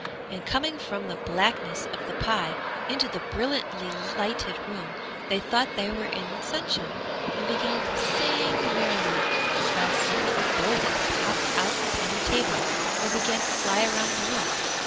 And coming from the blackness of the pie into the brilliantly lighted room they thought they were in the sunshine, and began to sing merrily, while some of the boldest hopped out upon the table or began flying around the room.